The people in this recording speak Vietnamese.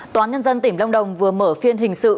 toán nhân dân tỉnh long đồng vừa mở phiên hình sự